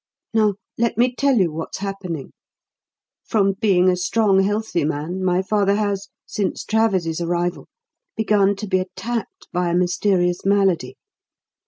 Now, let me tell you what's happening. From being a strong, healthy man, my father has, since Travers's arrival, begun to be attacked by a mysterious malady.